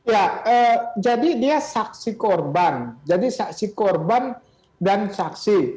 ya jadi dia saksi korban jadi saksi korban dan saksi